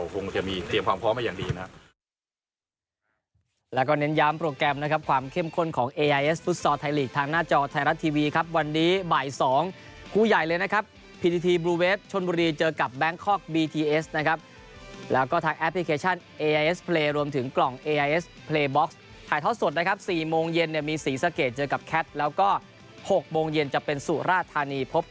คงไม่น่ามีปัญหานะครับเราคงจะมีเตรียมความพร้อมมาอย่างดีนะครับ